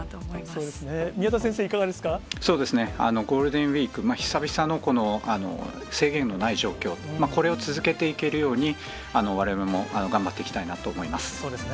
そうですね、宮田先生、ゴールデンウィーク、久々の制限のない状況、これを続けていけるように、われわれも頑張っていきたいなと思います。